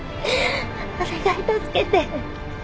お願い助けて。